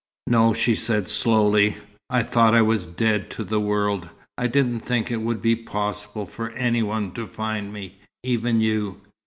"No," she said slowly. "I thought I was dead to the world. I didn't think it would be possible for anyone to find me, even you."